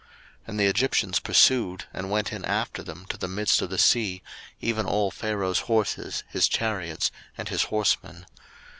02:014:023 And the Egyptians pursued, and went in after them to the midst of the sea, even all Pharaoh's horses, his chariots, and his horsemen.